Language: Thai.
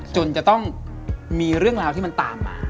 จนจะต้องมีเรื่องราวที่มันตามมา